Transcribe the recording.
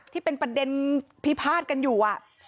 ที่เป็นประเด็นพิพาทกันอยู่